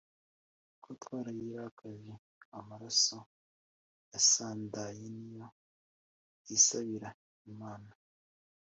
kuko twarayirakaje, amaraso yasandaye niyo yisabira imana